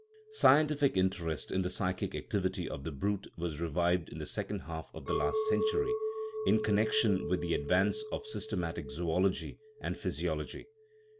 Scientific interest in the psychic activity of the brute was revived in the second half of the last century, in connection with the advance of systematic zoology and physiology.